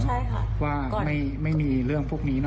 ใช่ค่ะว่าไม่มีเรื่องพวกนี้นะ